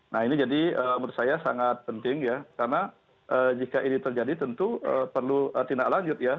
nah ini jadi menurut saya sangat penting ya karena jika ini terjadi tentu perlu tindak lanjut ya